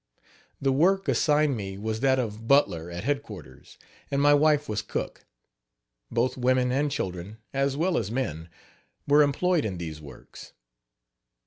The work assigned me was that of butler at headquarters, and my wife was cook. Both women and children, as well as men, were employed in these works.